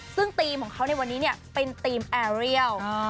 ซึ่งธีมของเขาในวันนี้เป็นธีมแอร์เรียล